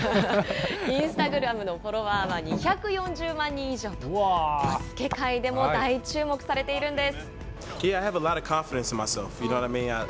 インスタグラムのフォロワーは２４０万人以上と、バスケ界でも大注目されているんです。